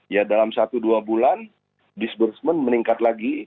ya dalam satu dua bulan disbursement meningkat lagi